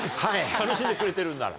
楽しんでくれてるんなら。